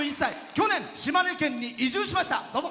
去年、島根県に移住しました。